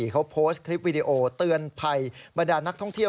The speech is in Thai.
เขาโพสต์คลิปวิดีโอเตือนภัยบรรดานักท่องเที่ยว